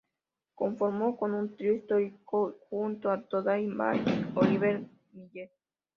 Conformó un trío histórico junto a Todd Day y Oliver Miller.